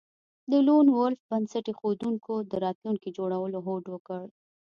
د لون وولف بنسټ ایښودونکو د راتلونکي جوړولو هوډ وکړ